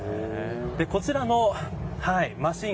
こちらのマシン